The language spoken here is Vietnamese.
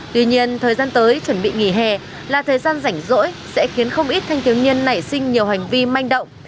tuy nhiên thời gian tới chuẩn bị nghỉ hè là thời gian rảnh rỗi sẽ khiến không ít thanh thiếu nhiên nảy sinh nhiều hành vi manh động